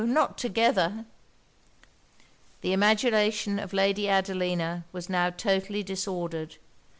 not together!' The imagination of Lady Adelina was now totally disordered.